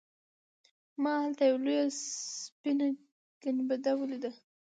ما هلته یوه لویه سپینه ګنبده ولیده.